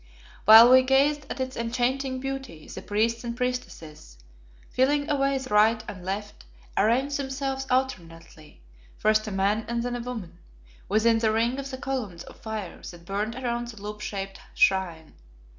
While we gazed at its enchanting beauty, the priests and priestesses, filing away to right and left, arranged themselves alternately, first a man and then a woman, within the ring of the columns of fire that burned around the loop shaped shrine.